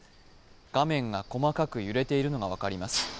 画面が細かく揺れているのが分かります。